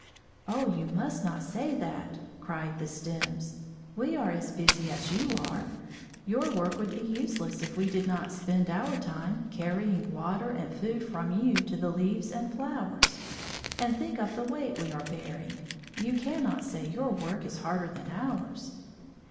"Oh, you must not say that," cried the stems. "We are as busy as you are. Your work would be useless if we did not spend our time carrying water and food from you to the leaves and flowers. And think of the weight we are bearing. You cannot say your work is harder than ours."